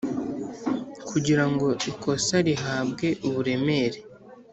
kugira ngo ikosa rihabwe uburemere